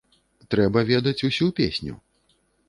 Трэба ведаць усю песню.